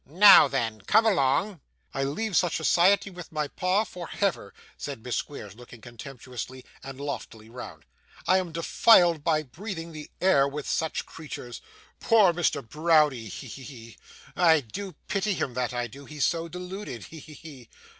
'Now then, come along.' 'I leave such society, with my pa, for Hever,' said Miss Squeers, looking contemptuously and loftily round. 'I am defiled by breathing the air with such creatures. Poor Mr. Browdie! He! he! he! I do pity him, that I do; he's so deluded. He! he!